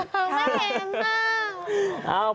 ไม่เห็นมาก